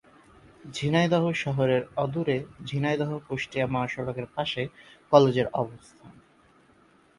ঝিনাইদহ শহরের অদূরে ঝিনাইদহ-কুষ্টিয়া মহাসড়কের পাশে কলেজের অবস্থান।